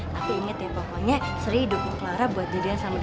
tapi inget ya pokoknya sri hidupnya clara buat jadinya sama den boy